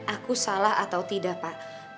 aku salah atau tidak pak